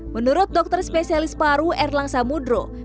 menurut dokter spesialis paru erlang samudro